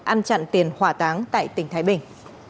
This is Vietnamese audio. ăn chặn tiền hỏa táng tại tỉnh thái bình